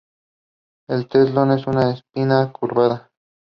The pianos and organ are designed to establish pitch.